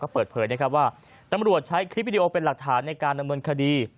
เปิดเผยนะครับว่าตำรวจใช้คลิปวิดีโอเป็นหลักฐานในการดำเนินคดี